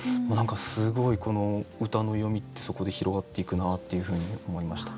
すごいこの歌の読みってそこで広がっていくなっていうふうに思いました。